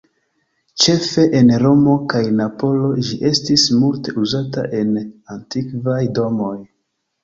Ĉefe en Romo kaj Napolo ĝi estis multe uzata en antikvaj domoj.